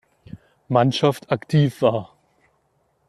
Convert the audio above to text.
Mannschaft aktiv war.